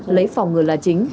lấy phòng ngừa là chính